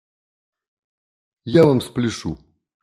Я Вам спляшу!